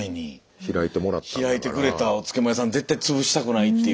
開いてくれたお漬物屋さん絶対潰したくないっていう。